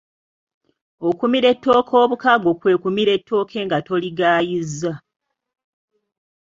Okumira ettooke obukago kwe kumira ettooke nga toligayizza.